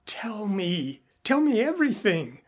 Tell me. Tell me everything!